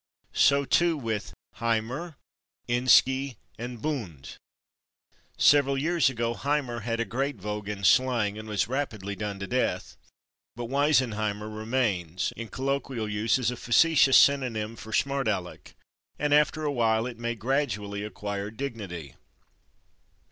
So with / heimer/, / inski/ and / bund/. Several years ago / heimer/ had a great vogue in slang, and was rapidly done to death. But /wiseheimer/ remains [Pg152] in colloquial use as a facetious synonym for /smart aleck/, and after awhile it may gradually acquire dignity.